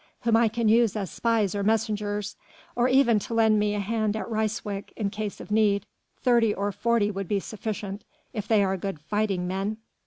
whom I can use as spies or messengers ... or even to lend me a hand at Ryswyk in case of need ... thirty or forty would be sufficient ... if they are good fighting men....